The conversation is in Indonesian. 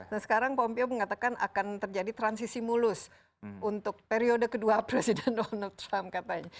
nah sekarang pompeo mengatakan akan terjadi transisi mulus untuk periode kedua presiden donald trump katanya